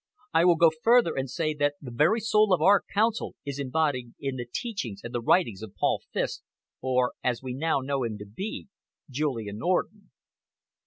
I will go further and say that the very soul of our Council is embodied in the teachings and the writings of Paul Fiske, or, as we now know him to be, Julian Orden."